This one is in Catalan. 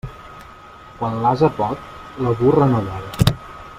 Quan l'ase pot, la burra no vol.